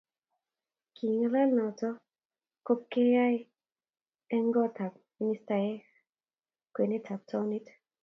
Kingalal noto ko pkeyaye eng kot ab ministaeng kwenet ab townit.